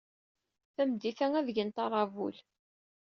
Tameddit-a, ad d-gent aṛabul.